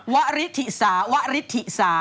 วะหิดถิหรี่สาวะหิดถิหรี่สา